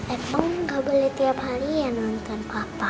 emang gak boleh tiap hari ya nonton papa